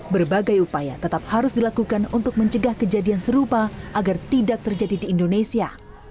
berbagai upaya tetap harus dilakukan untuk mencegah kejadian serupa agar tidak terjadi di indonesia